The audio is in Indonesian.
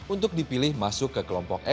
untuk dipilih masuk ke kelompok